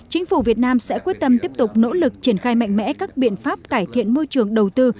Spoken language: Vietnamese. chính phủ việt nam sẽ quyết tâm tiếp tục nỗ lực triển khai mạnh mẽ các biện pháp cải thiện môi trường đầu tư